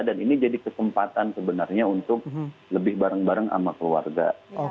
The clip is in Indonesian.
dan ini jadi kesempatan sebenarnya untuk lebih bareng bareng sama keluarga